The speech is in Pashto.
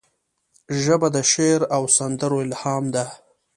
ژبه د شعر او سندرو الهام ده